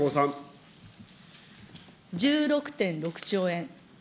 １６．６兆円。